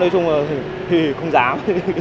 nói chung là hì hì không dám